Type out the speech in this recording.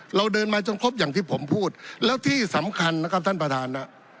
เราเดินมาจนครบอย่างที่ผมพูดแล้วที่สำคัญนะครับท่านประธาน